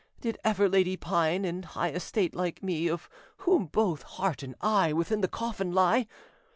Did ever lady pine, In high estate, like me, Of whom both heart and eye Within the coffin lie?